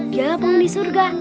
dia lah penghuni surga